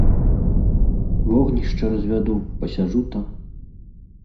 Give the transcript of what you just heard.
Вогнішча развяду, пасяджу там.